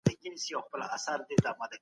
جهاد د فتنو د ختمولو تر ټولو ښه لاره ده.